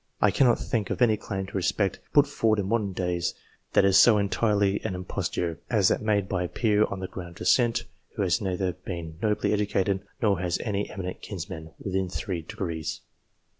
I cannot think of any claim, to respect, put forward in modern days, that is so entirely an imposture, as that made by a peer on the ground of 78 THE JUDGES OF ENGLAND descent, who has neither been nobly educated, nor has any eminent kinsman, within three degrees.